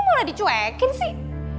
lo malah dicuekin sih